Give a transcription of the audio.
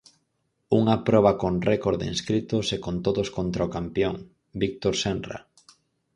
Unha proba con récord de inscritos e con todos contra o campión, Víctor Senra.